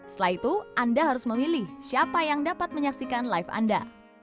setelah itu anda harus memilih siapa yang dapat menyaksikan live anda